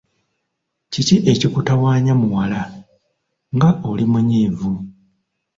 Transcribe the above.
Kiki ekikutawaanya muwala, nga oli munyiivu?